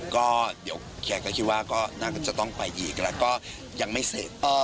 ก็เดี๋ยวแกก็คิดว่าก็น่าจะต้องไปอีกแล้วก็ยังไม่เสร็จ